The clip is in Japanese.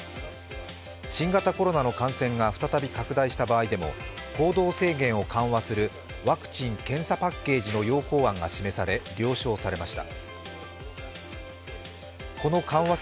新型コロナの感染が再び拡大した場合でも行動制限を緩和するワクチン・検査パッケージの要綱案が示され了承されました。